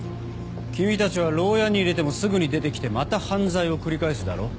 君たちはろうやに入れてもすぐに出てきてまた犯罪を繰り返すだろ？